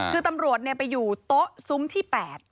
คือตำรวจไปอยู่โต๊ะซุ้มที่๘